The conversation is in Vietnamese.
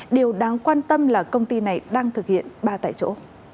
điều đáng quan tâm là công ty này đang thực hiện ba tại chỗ